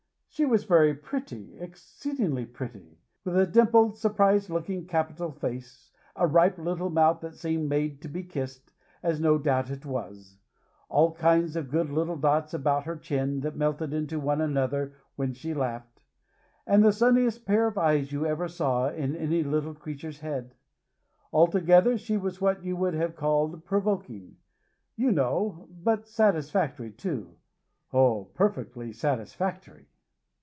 She was very pretty; exceedingly pretty. With a dimpled, surprised looking, capital face; a ripe little mouth that seemed made to be kissed as no doubt it was; all kinds of good little dots about her chin, that melted into one another when she laughed; and the sunniest pair of eyes you ever saw in any little creature's head. Altogether she was what you would have called provoking, you know; but satisfactory, too. Oh, perfectly satisfactory.